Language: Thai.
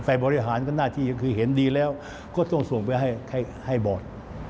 ฝ่ายบริหารหน้าที่คือเห็นดีแล้วก็ต้องส่งไปให้บท